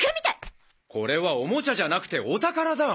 これはおもちゃじゃなくてお宝だ！